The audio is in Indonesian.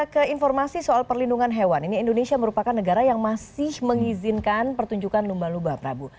ke informasi soal perlindungan hewan ini indonesia merupakan negara yang masih mengizinkan pertunjukan lumba lumba prabu